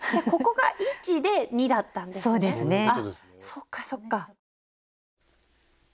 そっかそっか。